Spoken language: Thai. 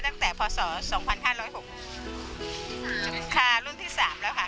ตั้งแต่พศสองพันห้าร้อยหกค่ะรุ่นที่สามแล้วค่ะ